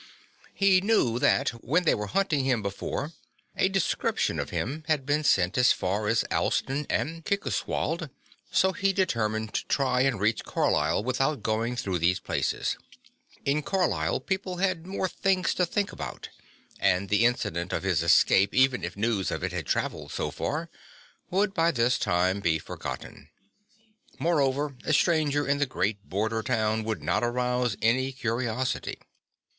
He knew that, when they were hunting him before, a description of him had been sent as far as Alston and Kirkoswald; so he determined to try and reach Carlisle without going through these places. In Carlisle people had more things to think about; and the incident of his escape, even if news of it had travelled so far, would by this time be forgotten. Moreover a stranger in the great border town would not arouse any curiosity.